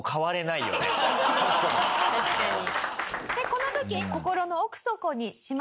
確かに。